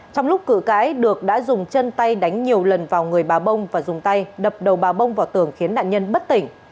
trong lúc cự cãi được đã dùng chân tay đánh nhiều lần vào người bà bông và dùng tay đập đầu bà bông vào tường khiến nạn nhân bất tỉnh